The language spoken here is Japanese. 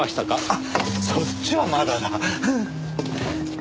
あっそっちはまだだ。